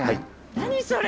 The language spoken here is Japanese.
何それ？